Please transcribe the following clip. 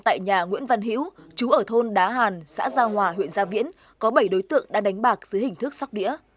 tại nhà nguyễn văn hữu chú ở thôn đá hàn xã gia hòa huyện gia viễn có bảy đối tượng đã đánh bạc dưới hình thức sóc đĩa